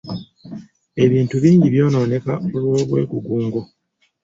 Ebintu bingi by'onooneka olw'obwegugungo.